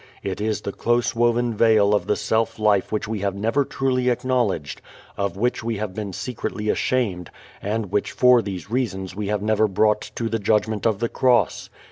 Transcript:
It is the close woven veil of the self life which we have never truly acknowledged, of which we have been secretly ashamed, and which for these reasons we have never brought to the judgment of the cross.